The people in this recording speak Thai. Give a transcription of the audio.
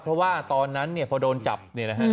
เพราะว่าตอนนั้นพอโดนจับนี้นะครับ